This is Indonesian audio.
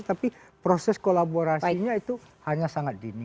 tapi proses kolaborasinya itu hanya sangat dini